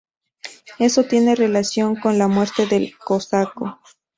Eso tiene relación con la muerte del cosaco.